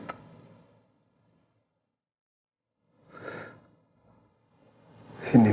kita tidak pernah habla sama pasangan